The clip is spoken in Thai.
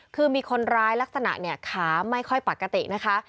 คือมีคนร้ายลักษณะเนี่ยขาไม่ค่อยปกตินะคะ